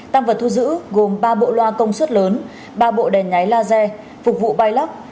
tăng vật thu giữ gồm ba bộ loa công suất lớn ba bộ đèn nháy laser phục vụ bay lắc